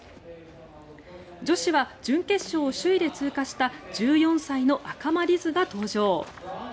女子は準決勝を首位で通過した１４歳の赤間凛音が登場。